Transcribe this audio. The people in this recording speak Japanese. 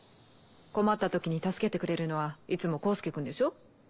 困った時に助けてくれるのはいつも功介君でしょ？